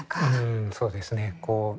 うんそうですね